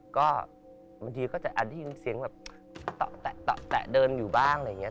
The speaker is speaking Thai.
ก็บางทีก็จะอาจจะยินเสียงแบบตะแตะตะแตะเดินอยู่บ้างอะไรอย่างเงี้ย